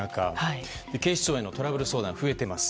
警視庁へのトラブル相談も増えています。